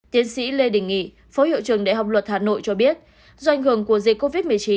tiến sĩ lê đình nghị phó hiệu trường đại học luật hà nội cho biết do ảnh hưởng của dịch covid một mươi chín